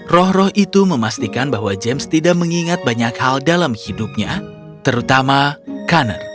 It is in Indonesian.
roh roh itu memastikan bahwa james tidak mengingat banyak hal dalam hidupnya terutama conner